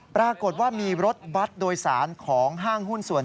ปรากฏว่ามีรถบัตรโดยสารของห้างหุ้นส่วน